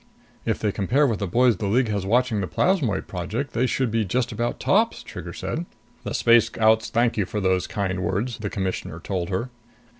"If they compare with the boys the League had watching the Plasmoid Project, they should be just about tops," Trigger said. "The Space Scouts thank you for those kind words," the Commissioner told her.